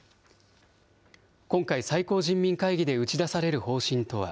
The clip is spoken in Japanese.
今回、最高人民会議で打ち出される方針とは。